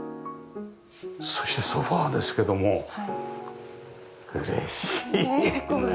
そしてソファですけども嬉しいね。